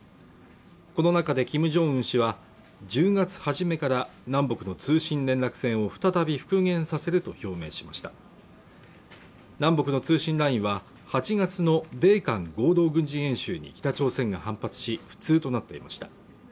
この中で金正恩氏は１０月初めから南北の通信連絡線を再び復元させると表明しました南北の通信ラインには８月の米韓合同軍事演習に北朝鮮が反発し不通となっていました